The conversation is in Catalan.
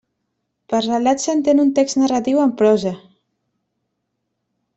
Per relat s'entén un text narratiu en prosa.